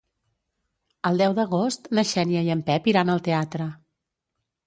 El deu d'agost na Xènia i en Pep iran al teatre.